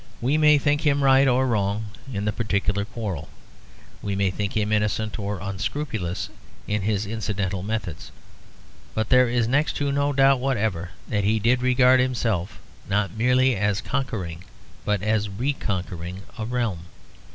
We may think him right or wrong in the particular quarrel, we may think him innocent or unscrupulous in his incidental methods; but there is next to no doubt whatever that he did regard himself not merely as conquering but as re conquering a realm.